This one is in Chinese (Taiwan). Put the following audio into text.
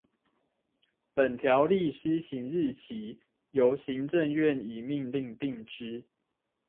本條例施行日期，由行政院以命令定之。